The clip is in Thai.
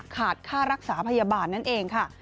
ขาดค่ารักษาพยาบาลนั่นเองค่ะ